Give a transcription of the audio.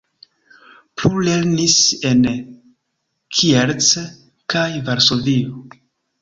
Plu lernis en Kielce kaj Varsovio.